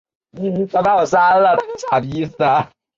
英文虎报的广告也曾经以此为拍摄场地。